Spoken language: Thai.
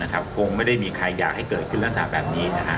คงไม่ได้มีใครอยากให้เกิดขึ้นลักษณะแบบนี้